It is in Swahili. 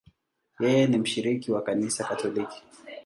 Yeye ni mshiriki wa Kanisa Katoliki.